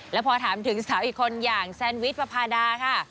แล้วพอถามถึงสาวอีกคนอย่างแซนวิชประพาดาค่ะ